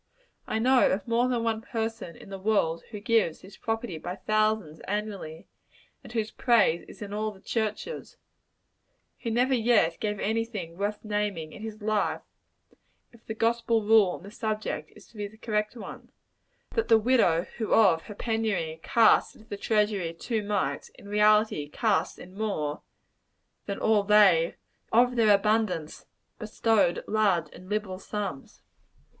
I know of more than one person in the world, who gives his property by thousands, annually and whose praise is in all the churches who never yet gave any thing worth naming, in his life, if the gospel rule on this subject is the correct one that the widow who of her penury cast into the treasury two mites, in reality cast in more than all they who of their abundance bestowed large and liberal sums.